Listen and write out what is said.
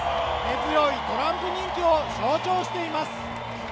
根強いトランプ人気を象徴しています。